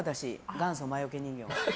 元祖魔よけ人形。